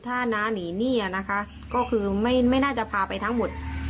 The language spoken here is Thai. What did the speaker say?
ถ้าน้าหนีหนี้นะคะก็คือไม่น่าจะพาไปทั้งหมด